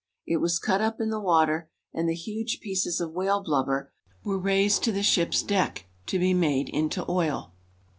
It was cut up in the water, and the huge pieces of whale blubber were raised to the ship's deck, to be made into" oil.